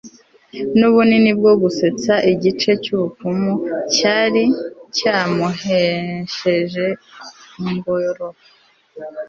nubunini bwo gusetsa iki gice cyubupfumu cyari cyamuhesheje ingoro